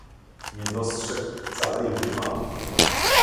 "Nie dostrzegł wcale Judyma."